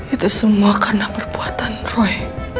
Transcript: itu semua karena perbuatan roy